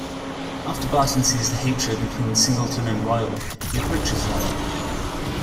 After Barton sees the hatred between Singleton and Royle, he approaches Royle.